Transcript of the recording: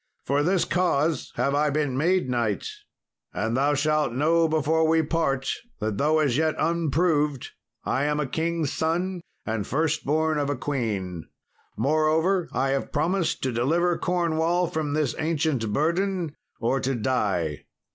For this cause have I been made knight, and thou shalt know before we part that though as yet unproved, I am a king's son and first born of a queen. Moreover I have promised to deliver Cornwall from this ancient burden, or to die.